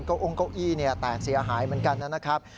องเก้าอี้แตกเสียหายเหมือนกันนะครับ